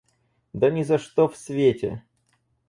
Да ни за что в свете!